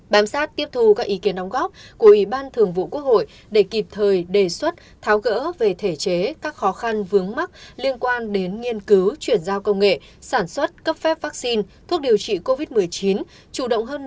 bám sát tiếp thu các ý kiến đóng góp của ủy ban thường vụ quốc hội để kịp thời đề xuất tháo gỡ về thể chế các khó khăn vướng mắt liên quan đến nghiên cứu chuyển giao công nghệ sản xuất cấp phép vaccine thuốc điều trị covid một mươi chín